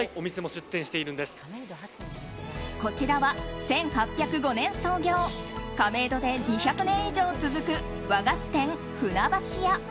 こちらは１８０５年創業亀戸で２００年以上続く和菓子店船橋屋。